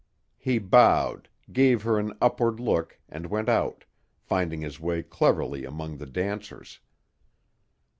He bowed, gave her an upward look and went out, finding his way cleverly among the dancers.